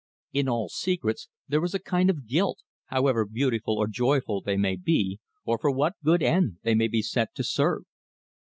In all secrets there is a kind of guilt, however beautiful or joyful they may be, or for what good end they may be set to serve.